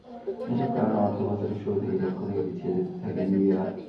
এসব কারণে অর্থবছরের শুরু থেকেই লক্ষ্য থেকে পিছিয়ে যেতে থাকে এনবিআর।